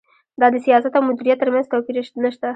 دا د سیاست او مدیریت ترمنځ توپیر نشته.